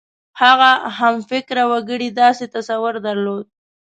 هغه همفکره وګړو داسې تصور درلود.